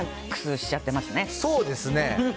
そうですね。